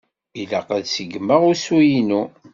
Ilaq ad seggmeɣ usi-nu.